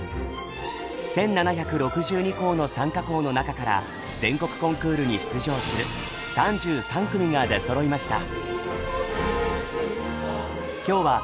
１，７６２校の参加校の中から全国コンクールに出場する３３組が出そろいました。